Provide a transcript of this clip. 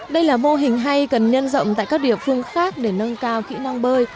đây là mô hình hay cần nhân rộng tại các địa phương khác để nâng cao kỹ năng bơi